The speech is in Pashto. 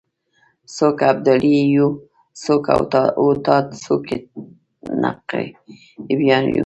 څوک ابدال یو څوک اوتاد څوک نقیبان یو